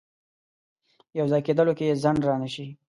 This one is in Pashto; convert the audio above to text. یو ځای کېدلو کې ځنډ رانه شي.